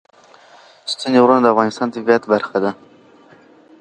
ستوني غرونه د افغانستان د طبیعت برخه ده.